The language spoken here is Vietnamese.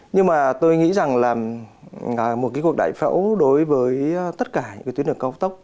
nhưng mà tôi nghĩ rằng là một cái cuộc đại phẫu đối với tất cả những cái tuyến đường cao tốc